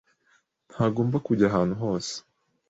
ntagomba kujya ahantu hose.